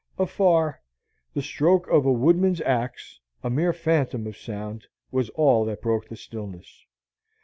Afar, the stroke of a wood man's axe a mere phantom of sound was all that broke the stillness.